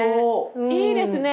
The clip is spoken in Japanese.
いいですね。